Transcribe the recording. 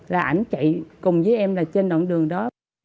là anh chạy cùng với em là trên đoạn đường đó